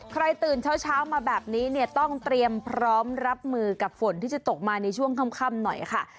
ใครตื่นเช้ามาแบบนี้เนี่ยต้องเตรียมพร้อมรับมือกับฝนที่จะตกมาในช่วงค่ำหน่อยค่ะ